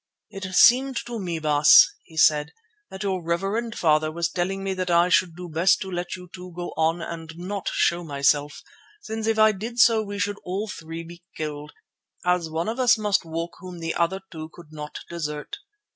"It seemed to me, Baas," he said, "that your reverend father was telling me that I should do best to let you two go on and not show myself, since if I did so we should all three be killed, as one of us must walk whom the other two could not desert.